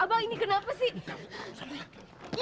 apa ini kenapa sih